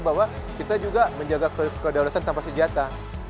bahwa kita juga menjaga kedaulatan tanpa senjata